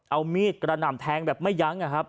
เอามีดกระหน่ำแทงแบบไม่ยั้ง